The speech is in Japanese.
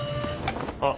あっ。